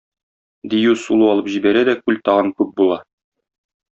Дию сулу алып җибәрә дә, күл тагын күп була.